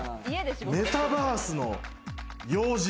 メタバースの要人。